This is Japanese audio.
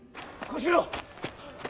小四郎！